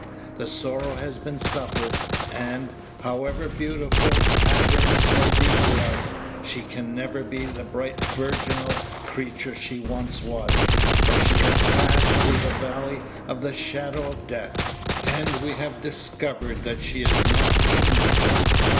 The sorrow has been suffered; and, however beautiful Happiness may be to us, she can never be the bright virginal creature she once was, for she has passed through the valley of the shadow of death, and we have discovered that she is not immortal.